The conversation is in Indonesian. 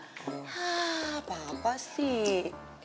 hah apa apa sih